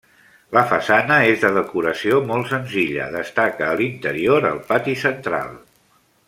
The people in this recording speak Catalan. La façana és de decoració molt senzilla; destaca a l'interior el pati central.